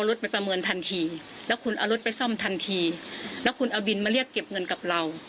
แล้วคุณเอารถไปซ่อมทันทีแล้วคุณเอาบินมาเรียกเก็บเงินกับเรา